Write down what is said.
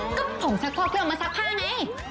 ก็ผงซักโคกเพื่อเอามาซักผ้าไง